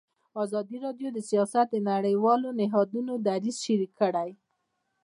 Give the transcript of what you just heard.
ازادي راډیو د سیاست د نړیوالو نهادونو دریځ شریک کړی.